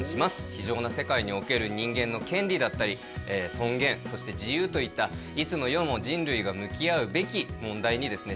非情な世界における人間の権利だったり尊厳そして自由といったいつの世も人類が向き合うべき問題にですね